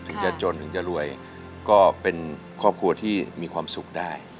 ถึงจะจนถึงจะรวยก็เป็นครอบครัวที่มีความสุขได้